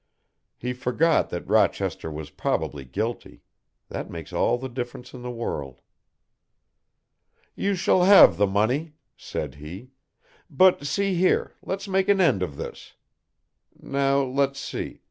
He forgot that Rochester was probably guilty that makes all the difference in the world. "You shall have the money," said he, "but see here, let's make an end of this. Now let's see.